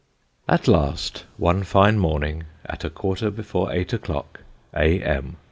At last, one fine morning, at a quarter before eight o'clock, a.m.